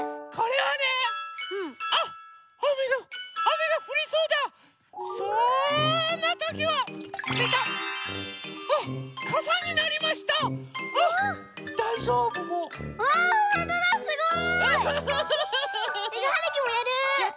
はい。